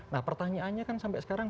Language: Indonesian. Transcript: nah pertanyaannya kan sampai sekarang